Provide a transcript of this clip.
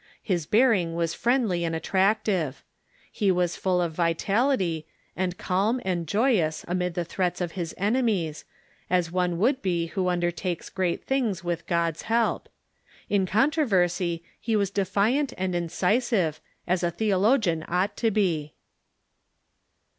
His bearing was friendly and attractive. He was full of vitality, and calm and joyous amid the threats of his enemies, as one would be Avho under takes great things with God's help. In controversy he was defiant and incisive, as a theologian ought to be."